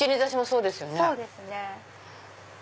そうですね。